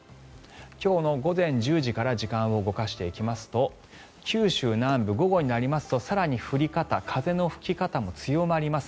今日の午前１０時から時間を動かしていきますと九州南部、午後になりますと更に降り方風の吹き方も強まります。